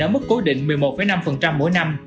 ở mức cố định một mươi một năm mỗi năm